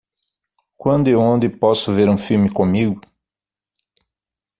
Quando e onde posso ver um filme comigo?